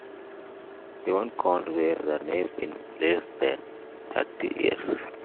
Seven Counts were named in less than thirty years.